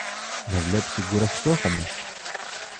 Δε βλέπεις την κούραση που έχομε.